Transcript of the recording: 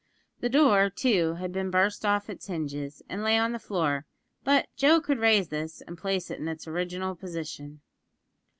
The door, too, had been burst off its hinges, and lay on the floor; but Joe could raise this, and place it in its original position.